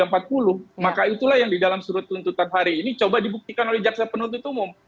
maka itulah yang di dalam surat tuntutan hari ini coba dibuktikan oleh jaksa penuntut umum